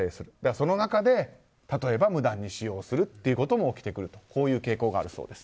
その中で、例えば無断使用するなども起きてくるという傾向があるそうです。